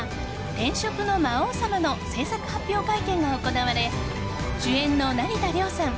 「転職の魔王様」の制作発表会見が行われ主演の成田凌さん